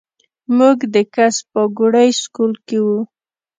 مونږ د کس پاګوړۍ سکول کښې وو